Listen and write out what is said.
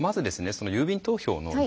その郵便投票の条件